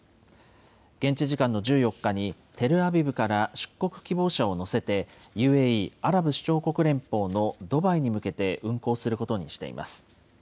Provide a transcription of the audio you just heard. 現地時間の１４日に、テルアビブから出国希望者を乗せて、ＵＡＥ・アラブ首長国連邦のドバイに向けて運航することにしています。